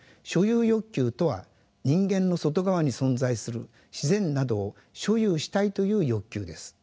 所有欲求とは人間の外側に存在する自然などを所有したいという欲求です。